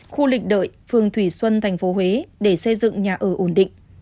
khu lịch đợi phường thủy xuân tp huế để xây dựng nhà ở ổn định